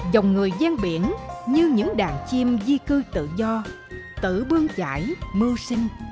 dòng người gian biển như những đàn chim di cư tự do tử bương chải mưu sinh